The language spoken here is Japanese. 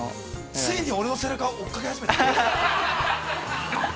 ◆ついに俺の背中を追いかけ始めたな。